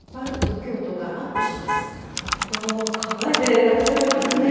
なるほど考えていらっしゃいますね。